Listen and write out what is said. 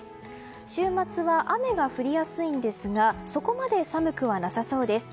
週末は雨が降りやすいんですがそこまで寒くはなさそうです。